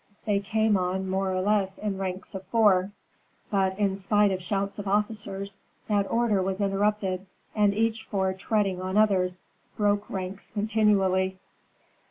They came on more or less in ranks of four; but in spite of shouts of officers, that order was interrupted, and each four treading on others, broke ranks continually.